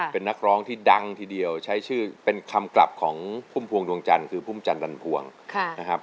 เป็นนักร้องที่ดังทีเดียวใช้ชื่อเป็นคำกลับของพุ่มพวงดวงจันทร์คือพุ่มจันจันพวงนะครับ